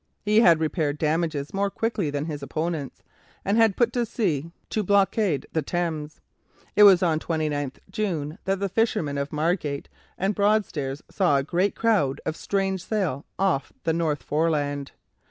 He had repaired damages more quickly than his opponents, and put to sea to blockade the Thames. It was on 29 June that the fishermen of Margate and Broadstairs saw a great crowd of strange sail off the North Foreland.